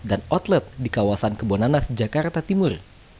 dan outlet di kawasan kebunanas jakarta timur